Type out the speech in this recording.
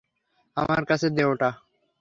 আমার কাছে দে ওটা।